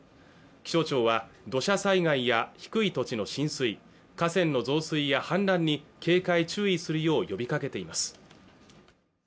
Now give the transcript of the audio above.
気象庁は土砂災害や低い土地の浸水河川の増水や氾濫に警戒注意するよう呼びかけています